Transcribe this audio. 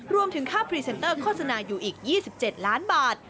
รวมถึงค่าพรีเซนเตอร์โฆษณาอยู่อีก๒๗ล้านบาท